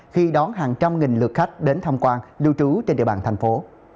khi đón hàng trăm nghìn lượt khách đến tham quan lưu trú trên địa bàn thành phố